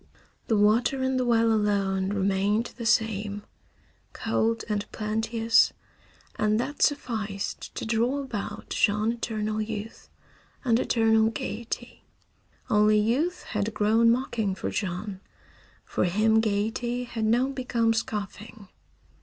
The water in the well alone remained the same, cold and plenteous, and that sufficed to draw about Jean eternal youth and eternal gaiety. Only youth had grown mocking for Jean. For him gaiety had now become scoffing.